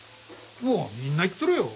もうみんな言っとるよ。